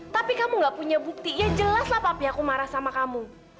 tapi kamu gak punya bukti ya jelaslah papi aku marah sama kamu